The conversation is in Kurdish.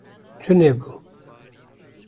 Tunebû